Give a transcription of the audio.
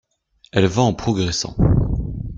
Elle va en progressant